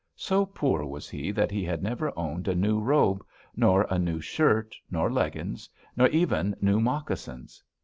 So poor was he that he had never owned a new robe, nor a new shirt, nor leggins, nor even new moccasins.